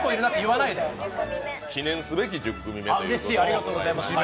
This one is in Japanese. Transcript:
記念すべき１０組目ということです。